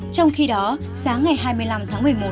trong khi đó sáng ngày hai mươi năm tháng một mươi một